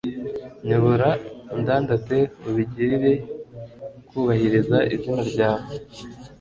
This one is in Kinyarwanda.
nyobora undandate ubigiriye kubahiriza izina ryawe